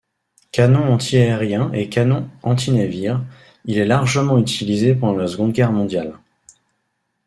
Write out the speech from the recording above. Canon antiaérien et canon antinavire, il est largement utilisé pendant la Seconde Guerre mondiale.